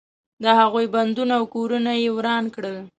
د هغوی بندونه او کورونه یې وران کړل.